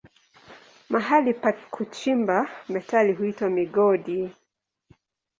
Mahali pa kuchimba metali huitwa migodi.